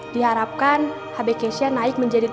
diharapkan hb keisha naik menjadi tiga belas